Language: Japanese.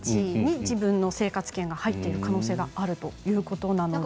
自分の生活圏が入っていることがあるということです。